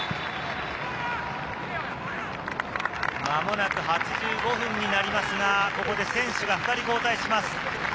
間もなく８５分になりますが、ここで選手が２人交代します。